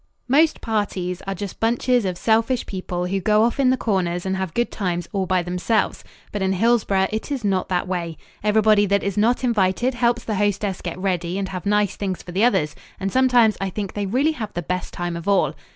Most parties are just bunches of selfish people who go off in the corners and have good times all by themselves; but in Hillsboro it is not that way. Everybody that is not invited helps the hostess get ready and have nice things for the others, and sometimes I think they really have the best time of all.